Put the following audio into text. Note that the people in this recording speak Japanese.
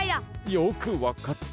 よくわかったな。